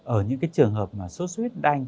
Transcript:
ở những trường hợp mà suất huyết đanh